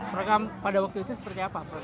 mereka pada waktu itu seperti apa